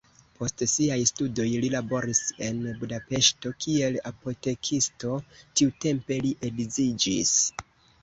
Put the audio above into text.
Post siaj studoj li laboris en Budapeŝto kiel apotekisto, tiutempe li edziĝis.